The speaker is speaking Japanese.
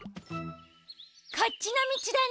こっちのみちだね。